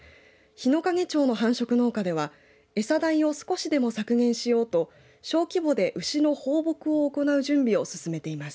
日之影町の繁殖農家では餌代を少しでも削減しようと小規模で牛の放牧を行う準備を進めています。